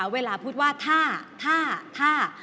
เวลาพูดว่าถ้าถ้าถ้า